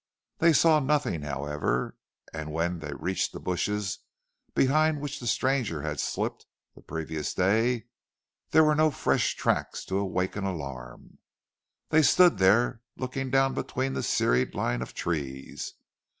They saw nothing, however, and when they reached the bushes behind which the stranger had slipped the previous day, there were no fresh tracks to awaken alarm. They stood there looking down between the serried lines of trees.